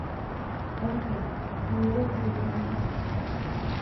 — Ом керт, — вуемым рӱзем мый.